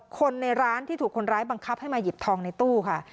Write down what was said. คนในร้านที่ถูกคนร้ายบังคับให้มาหยิบทองในตู้ค่ะ